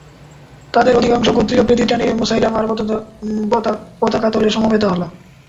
তাদের অধিকাংশ গোত্রীয় প্রীতির টানে মুসায়লামার পতাকাতলে সমবেত হল।